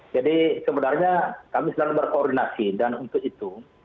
jadi sebenarnya kami selalu berkoordinasi dan untuk itu